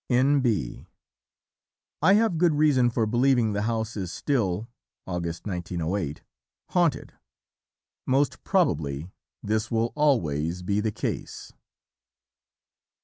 "N.B. I have good reason for believing the house is still (August 1908) haunted; most probably this will always be the case."